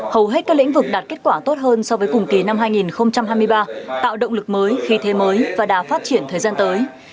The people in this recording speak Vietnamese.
hầu hết các lĩnh vực đạt kết quả tốt hơn so với cùng kỳ năm hai nghìn hai mươi ba tạo động lực mới khí thế mới và đà phát triển thời gian tới